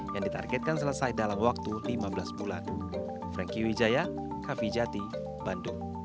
yang ditargetkan selesai dalam waktu lima belas bulan